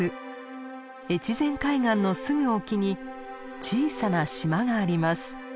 越前海岸のすぐ沖に小さな島があります。